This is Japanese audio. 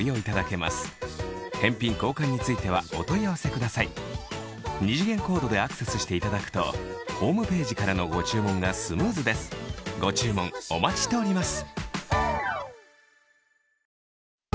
買うなら今お得なチャンスをお見逃しなく二次元コードでアクセスしていただくとホームページからのご注文がスムーズですご注文お待ちしております